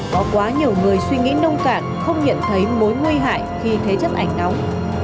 có quá nhiều người suy nghĩ nông cản không nhận thấy mối nguy hại khi thế chấp ảnh nóng